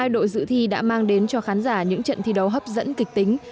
hai đội dự thi đã mang đến cho khán giả những trận thi đấu hấp dẫn kịch tính